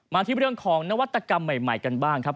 ที่เรื่องของนวัตกรรมใหม่กันบ้างครับ